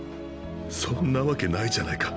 そんなわけないじゃないか。